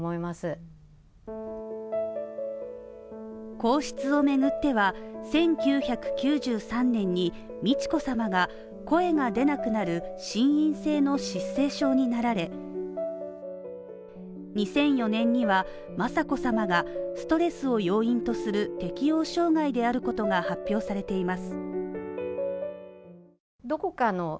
皇室をめぐっては、１９９３年に美智子さまが、声が出なくなる心因性の失声症になられ２００４年には雅子さまがストレスを要因とする適応障害であることが発表されています。